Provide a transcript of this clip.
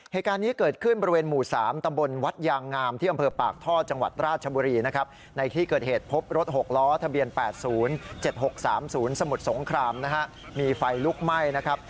เหตุการณ์นี้เกิดขึ้นบริเวณหมู่๓ตำบลวัดยางงามที่อำเภอปากท่อจังหวัดราชบุรีนะครับในที่เกิดเหตุพบรถ๖ล้อทะเบียน๘๐๗๖๓๐สมุทรสงครามนะฮะมีไฟลุกไหม้นะครับ